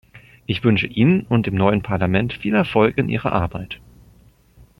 Ich wünsche Ihnen und dem neuen Parlament viel Erfolg in Ihrer Arbeit.